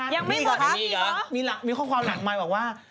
ยังไม่หมดคำนี้เหรอตอนนี้เหรอมีข้อความหลังมายบอกว่า